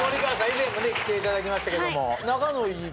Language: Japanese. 以前も来ていただきましたけども。